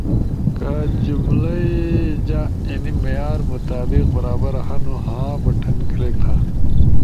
کہ جملہ اجینی معیار مطابق برابر ہنو، ”ہاں“ بٹن کلک تھا۔